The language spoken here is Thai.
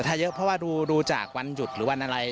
ถ้าเยอะเพราะว่าดูจากวันหยุดหรือวันอะไร